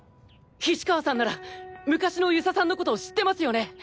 菱川さんなら昔の遊佐さんのことを知ってますよね？